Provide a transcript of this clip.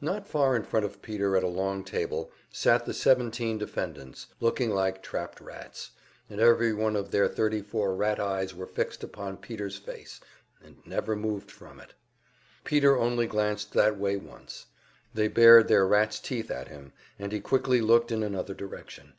Not far in front of Peter at a long table sat the seventeen defendants, looking like trapped rats, and every one of their thirty four rat eyes were fixed upon Peter's face, and never moved from it. Peter only glanced that way once; they bared their rats' teeth at him, and he quickly looked in another direction.